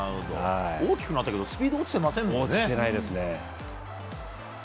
大きくなったけど、スピード落ちてないですね。